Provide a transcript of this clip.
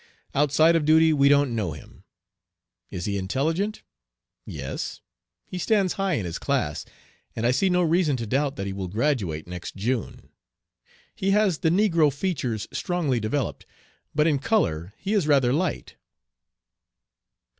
Outside of duty, we don't know him.' 'Is he intelligent?' 'Yes; he stands high in his class, and I see no reason to doubt that he will graduate next June. He has the negro features strongly developed, but in color he is rather light.'"